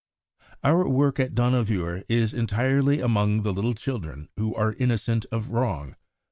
Our work at Dohnavur is entirely among the little children who are innocent of wrong.